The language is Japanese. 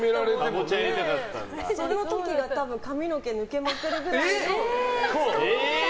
その時が多分、髪の毛抜けまくるくらいの。